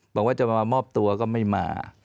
บอกว่าจะมามอบตัวก็ไม่มา